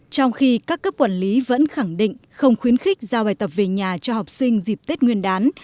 trong khi các cấp quản lý vẫn khẳng định không khuyến khích giao bài tập về nhà cho học sinh dịp tết nguyên đán